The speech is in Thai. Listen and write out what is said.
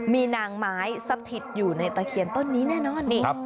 มีนางไม้สถิตอยู่ในตะเคียนต้นนี้แน่นอนนี่